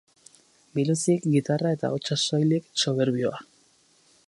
Biluzik, gitarra eta ahotsaz soilik, soberbioa.